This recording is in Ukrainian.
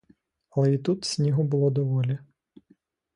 Але і тут снігу було доволі.